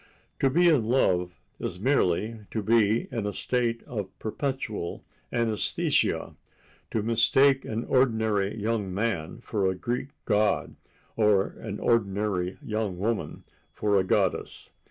To be in love is merely to be in a state of perceptual anæsthesia—to mistake an ordinary young man for a Greek god or an ordinary young woman for a goddess.